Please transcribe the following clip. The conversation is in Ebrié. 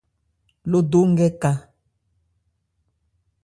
Lo do nkɛ ka.